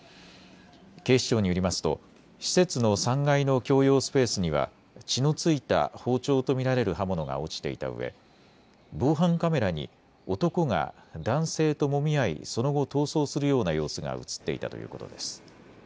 警視庁によりますと施設の３階の共用スペースには血の付いた包丁と見られる刃物が落ちていたうえ、防犯カメラに男が男性ともみ合いその後、逃走するような様子が写っていたということです。